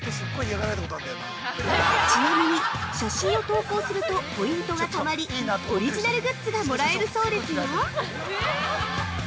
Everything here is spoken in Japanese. ちなみに写真を投稿するとポイントが貯まりオリジナルグッズがもらえるそうですよ！